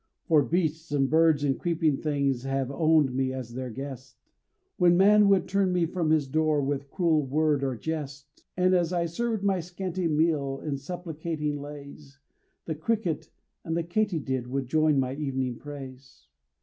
For beasts and birds and creeping things Have owned me as their guest, When man would turn me from his door With cruel word or jest; And as I served my scanty meal, In supplicating lays, The cricket and the katydid Would join my evening praise.